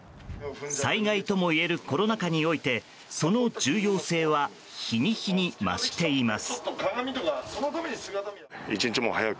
災害ともいえるコロナ禍においてその重要性は日に日に増しています。